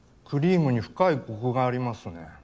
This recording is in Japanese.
クリームに深いコクがありますね。